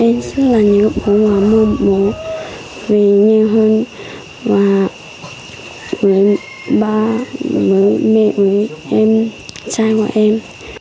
em rất là nhớ bố và mơ mộ vì nhiều hơn và với ba với mẹ với em trai của em